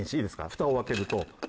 フタを開けると。